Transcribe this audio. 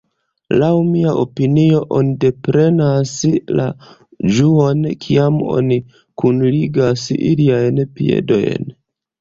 Laŭ mia opinio, oni deprenas la ĝuon kiam oni kunligas iliajn piedojn.